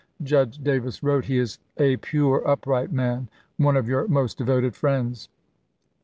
Judge Davis wrote: "He is a pure, upright man, one of your most devoted friends.